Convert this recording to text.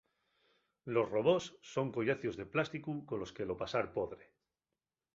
Los robós son collacios de plásticu colos que lo pasar podre.